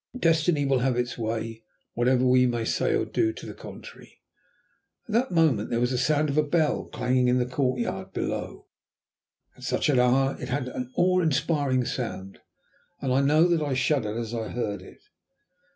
Destiny will have its way, whatever we may say or do to the contrary." At that moment there was the sound of a bell clanging in the courtyard below. At such an hour it had an awe inspiring sound, and I know that I shuddered as I heard it.